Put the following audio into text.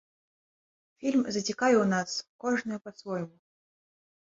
Фільм зацікавіў нас кожную па-свойму.